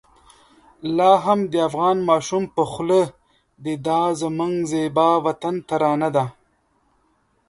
لا هم د افغان ماشوم په خوله د دا زموږ زېبا وطن ترانه ده.